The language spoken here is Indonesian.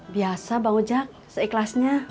biasa bang ujak seikhlasnya